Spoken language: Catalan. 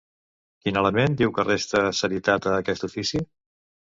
Quin element diu que resta serietat a aquest ofici?